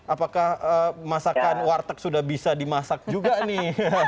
apakah masakan warteg sudah bisa dimasak juga nih